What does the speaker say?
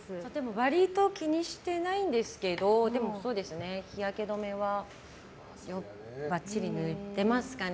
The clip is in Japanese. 割と気にしてないんですけど日焼け止めはバッチリ塗ってますかね。